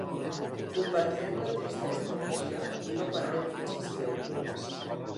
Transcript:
Convertirem la tristesa en energia i no pararem fins que sigueu lliures.